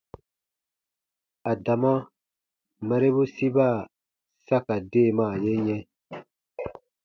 Adama marebu siba sa ka deemaa ye yɛ̃.